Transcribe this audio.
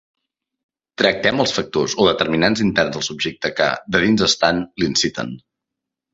Tractem els factors o determinants interns del subjecte que, de dins estant, l'inciten.